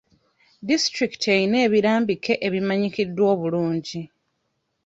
Disitulikiti eyina ebirambike ebimanyikiddwa obulungi.